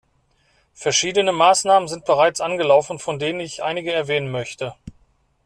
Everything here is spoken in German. Verschiedene Maßnahmen sind bereits angelaufen, von denen ich einige erwähnen möchte.